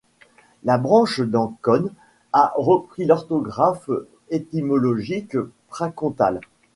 La branche d'Ancône a repris l'orthographe étymologique Pracomtal.